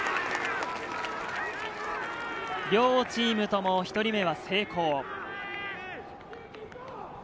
両チームとも１人目は成功。